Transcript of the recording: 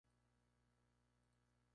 Su familia es de amplia tradición radical.